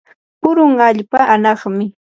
purun allpa anaqmi.